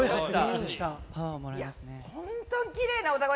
本当にきれいな歌声。